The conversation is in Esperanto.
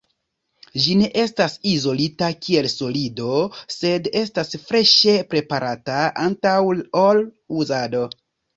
Ĝi ne estas izolita kiel solido, sed estas freŝe preparata antaŭ ol uzado.